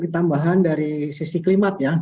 tambahan dari sisi klimat ya